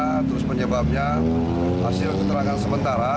hanya hasil keterangan sementara